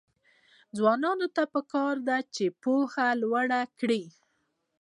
ځوانانو ته پکار ده چې، پوهه لوړه کړي.